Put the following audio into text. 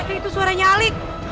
pak rete itu suaranya alik